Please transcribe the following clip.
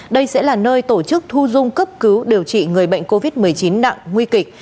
đây sẽ là nơi tổ chức thu dung cấp cứu điều trị người bệnh covid một mươi chín nặng nguy kịch